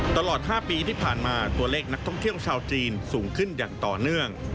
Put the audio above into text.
ตลอด๕ปีที่ผ่านมาตัวเลขนักท่องเที่ยวชาวจีนสูงขึ้นอย่างต่อเนื่อง